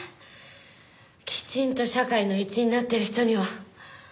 きちんと社会の一員になってる人には。